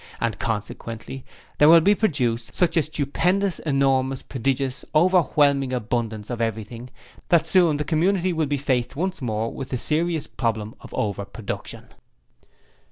and consequently there will be produced such a stupendous, enormous, prodigious, overwhelming abundance of everything that soon the Community will be faced once more with the serious problem of OVER PRODUCTION.